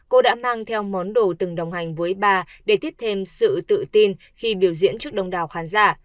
cô đã mang theo món đồ từng đồng hành với bà để tiếp thêm sự tự tin khi biểu diễn trước đông đảo khán giả